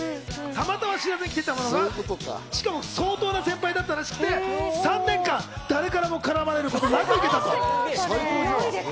たまたま知らずに着てったものがしかも相当な先輩だったらしくて、３年間誰からも絡まれなかったそうです。